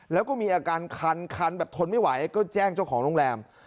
แล้วก็มีอาการคันคันแบบทนไม่ไหวก็แจ้งเจ้าของโรงแรม